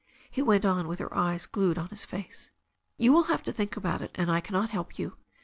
He went on with her eyes glued on his face. "You will have to think about it, and I cannot help you.